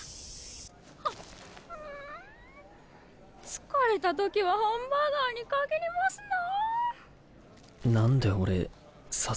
疲れたときはハンバーガーに限りますな！